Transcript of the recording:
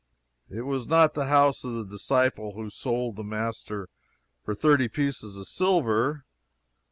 It was not the house of the disciple who sold the Master for thirty pieces of silver.